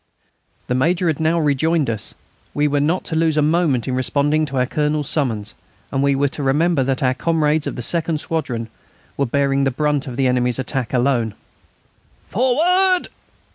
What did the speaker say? The Major had now rejoined us. We were not to lose a moment in responding to our Colonel's summons, and we were to remember that our comrades of the second squadron were bearing the brunt of the enemy's attack alone. "Forward!"